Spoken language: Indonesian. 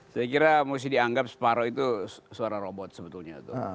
saya kira mesti dianggap separoh itu suara robot sebetulnya tuh